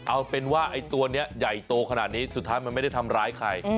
เอาเป็นว่าไอ้ตัวนี้ใหญ่โตขนาดนี้สุดท้ายมันไม่ได้ทำร้ายใคร